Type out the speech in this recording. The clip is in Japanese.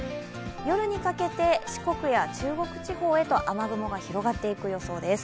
夜にかけて四国や中国地方へと雨雲が広がっていく予想です。